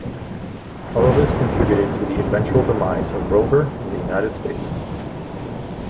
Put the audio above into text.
All of this contributed to the eventual demise of Rover in the United States.